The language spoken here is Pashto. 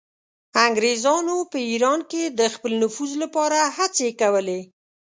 انګریزانو په ایران کې د خپل نفوذ لپاره هڅې کولې.